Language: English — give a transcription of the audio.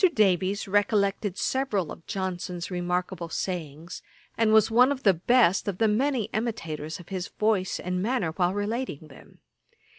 Davies recollected several of Johnson's remarkable sayings, and was one of the best of the many imitators of his voice and manner, while relating them.